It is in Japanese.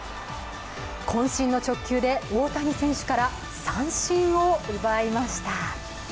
こん身の直球で大谷選手から三振を奪いました。